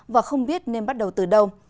và không biết nên bắt đầu từ đâu